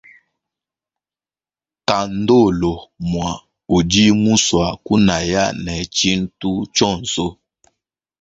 Kandolo mwa udi muswa kunaya ne tshintu tshionso.